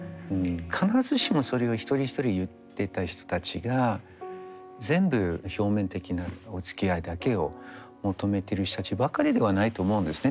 必ずしもそれを一人一人言ってた人たちが全部表面的なおつきあいだけを求めてる人たちばかりではないと思うんですね。